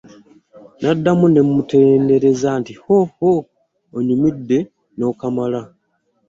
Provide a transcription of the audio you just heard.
Naddamu ne mmutendereza nti, “Hooo onnyumidde n'okamala!”